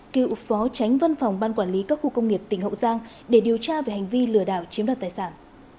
cựu phó tránh văn phòng ban quản lý các khu công nghiệp tỉnh hậu giang để điều tra về hành vi lừa đảo chiếm đoạt tài sản